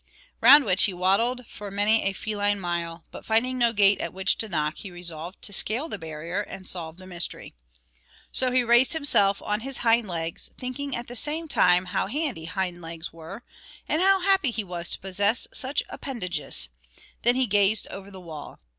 round which he waddled for many a feline mile; but finding no gate at which to knock, he resolved to scale the barrier and solve the mystery. So he raised himself on his hind legs, thinking at the same time how handy hind legs were, and how happy he was to possess such appendages; then he gazed over the wall.